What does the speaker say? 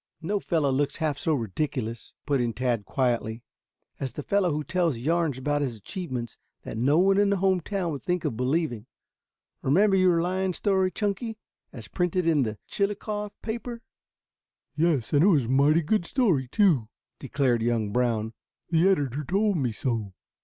"No fellow looks half so ridiculous," put in Tad quietly, "as the fellow who tells yarns about his achievements that no one in the home town would think of believing. Remember your lion story, Chunky, as printed in the Chillicothe paper?" "Yes. And it was a mighty good story, too," declared young Brown. "The editor told me so."